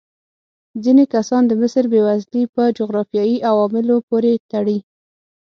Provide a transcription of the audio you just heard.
ځینې کسان د مصر بېوزلي په جغرافیايي عواملو پورې تړي.